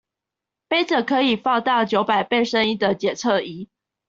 揹著可以放大九百倍聲音的檢測儀